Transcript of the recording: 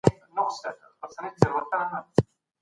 کابل له لرې هېوادونو سره د سوداګرۍ مخه نه نیسي.